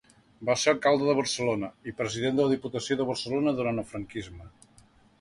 Va ser alcalde de Barcelona, i president de la Diputació de Barcelona durant el franquisme.